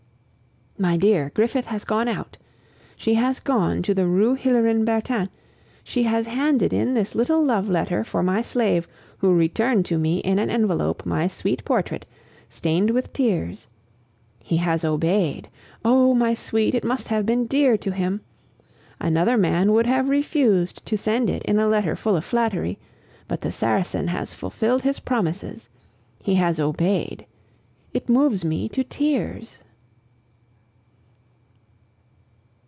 My dear, Griffith has gone out; she has gone to the Rue Hillerin Bertin; she had handed in this little love letter for my slave, who returned to me in an envelope my sweet portrait, stained with tears. He has obeyed. Oh! my sweet, it must have been dear to him! Another man would have refused to send it in a letter full of flattery; but the Saracen has fulfilled his promises. He has obeyed. It moves me to tears.